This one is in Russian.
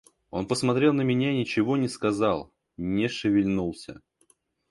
Он посмотрел на меня и ничего не сказал, не шевельнулся.